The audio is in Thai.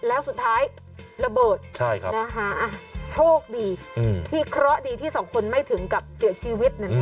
แล้วสุดท้ายระเบิดโชคดีที่เคราะห์ดีที่สองคนไม่ถึงกับเสียชีวิตนั่นเอง